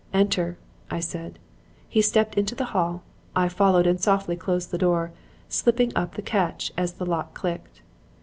"'Enter,' I said. He stepped into the hall. I followed and softly closed the door, slipping up the catch as the lock clicked.